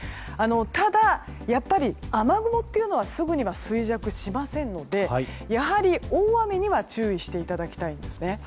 ただ、やっぱり雨雲というのはすぐには衰弱しませんのでやはり大雨には注意していただきたいです。